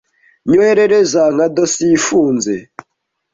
Nyoherereza nka dosiye ifunze.